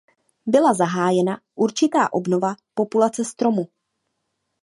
Byla zahájena určitá obnova populace stromu.